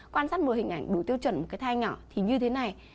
quan sát một mươi hình ảnh đủ tiêu chuẩn một cái thai nhỏ thì như thế này